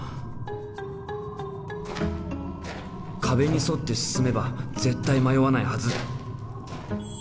壁に沿って進めば絶対迷わないはず！